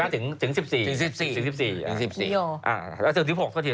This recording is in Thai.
๑๕ถึงวันที่๑๕ถึงวันที่๑๔